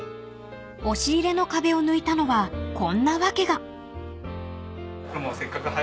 ［押し入れの壁を抜いたのはこんな訳が］